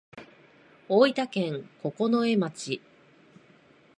大分県九重町